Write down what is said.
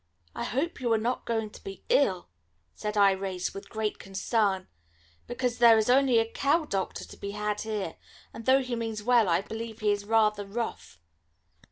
"I hope you are not going to be ill," said Irais with great concern, "because there is only a cow doctor to be had here, and though he means well, I believe he is rather rough."